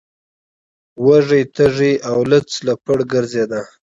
وږی تږی او لوڅ لپړ ګرځیده.